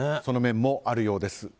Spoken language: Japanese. その面もあるようです。